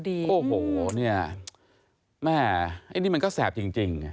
เอ้อโหแม่ไอ้นี่ก็แสบจริง